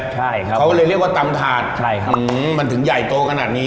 ใช่ครับเขาเลยเรียกว่าตำถาดใช่ครับมันถึงใหญ่โตขนาดนี้